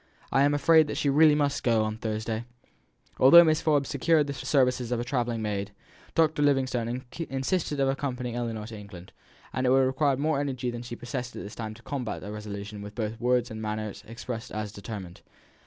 I am afraid that she really must go on Thursday." Although Mrs. Forbes secured the services of a travelling maid, Dr. Livingstone insisted on accompanying Ellinor to England, and it would have required more energy than she possessed at this time to combat a resolution which both words and manner expressed as determined.